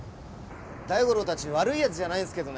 大五郎たち悪い奴じゃないんですけどね